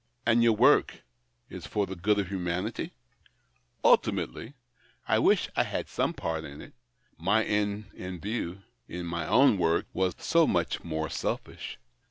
" And your ^ work is for the good of humanity ?"" Ultimately." " I wish I had some part in it. My end in view in my own work was so much more selfish.